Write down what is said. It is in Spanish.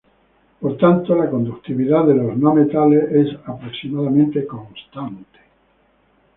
Por tanto la conductividad de los no metales es aproximadamente constante.